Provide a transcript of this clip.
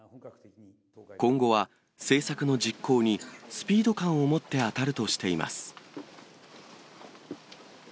今後は政策の実行にスピード感を持って当たるとしています。